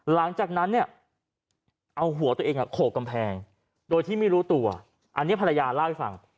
หลังจากนั้นเนี่ยเอาหัวตัวเองโขกกำแพงโดยที่ไม่รู้ตัวอันนี้ภรรยาเล่าให้ฟัง